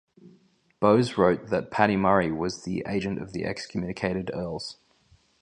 Bowes wrote that "Paty Murray" was the agent of the excommunicated earls.